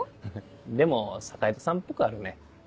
でも坂井戸さんっぽくはあるね。